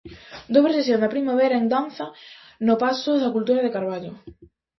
Dobre sesión da primavera en danza no Pazo da Cultura de Carballo.